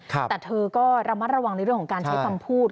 แต่เธอก็ระมัดระวังในเรื่องของการใช้คำพูด